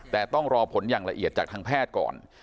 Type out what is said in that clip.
แต่ต้องรอผลอย่างละเอียดจากทางแพทย์ก่อน